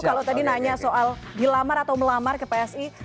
kalau tadi nanya soal dilamar atau melamar ke psi